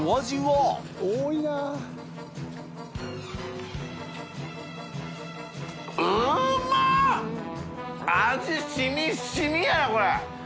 淵船礇鵝味染み染みやなこれ！